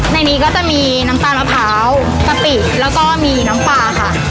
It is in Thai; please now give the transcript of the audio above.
ในนี้ก็จะมีน้ำตาลมะพร้าวกะปิแล้วก็มีน้ำปลาค่ะ